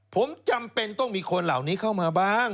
ผมจำเป็นต้องมีคนเหล่านี้เข้ามาบ้าง